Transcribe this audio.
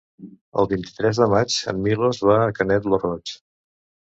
El vint-i-tres de maig en Milos va a Canet lo Roig.